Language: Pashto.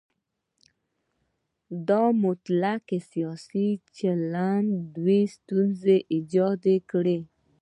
دا مطلق سیاسي چلن دوه ډوله ستونزې ایجاد کړي.